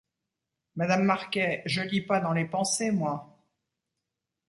Madame Marquet, je lis pas dans les pensées, moi.